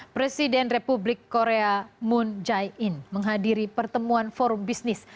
presiden republik korea moon jae in menghadiri pertemuan forum bisnis